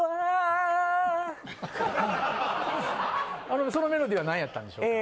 あのそのメロディーはなんやったんでしょうか？